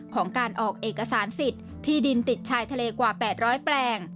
ของการออกเอกสารสิทธิ์ที่ดินติดชายทะเลกว่า๘๐๐แปลง